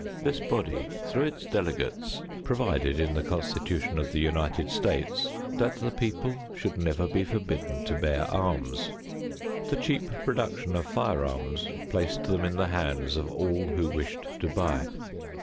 This body, through its delegates, provided in the Constitution of the United States that the people should never be forbidden to bear arms. The cheap production of firearms placed them in the hands of all who wished to buy.